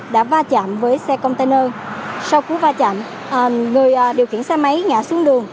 đã va chạm với xe container sau cú va chạm người điều khiển xe máy ngã xuống đường